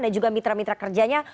dan juga mitra mitra kerjanya